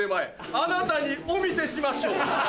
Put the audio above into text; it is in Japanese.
あなたにお見せしましょう。